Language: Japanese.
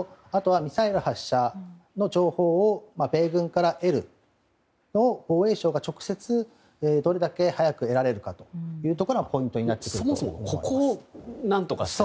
ミサイル発射の情報を米軍から得るのを防衛省が直接どれだけ早く得られるかがポイントになってくると思います。